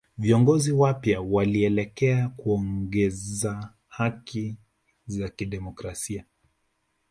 Viongozi wapya walielekea kuongeza haki za kidemokrasia